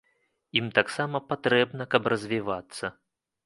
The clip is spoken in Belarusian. Ім таксама патрэбна, каб развівацца.